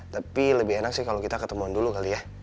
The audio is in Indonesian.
tapi lebih enak sih kalau kita ketemuan dulu kali ya